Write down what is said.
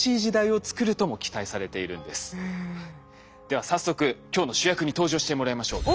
では早速今日の主役に登場してもらいましょう。